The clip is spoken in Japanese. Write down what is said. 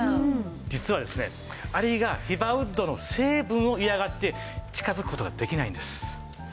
実はですねアリがヒバウッドの成分を嫌がって近づく事ができないんです。